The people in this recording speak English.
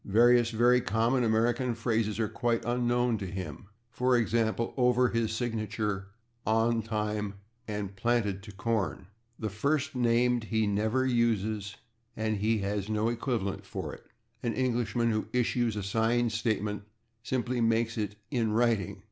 Various very common American phrases are quite unknown to him, for example, /over his signature/, /on time/ and /planted to corn/. The first named he never uses, and he has no equivalent for it; an Englishman who issues a signed statement simply makes it /in writing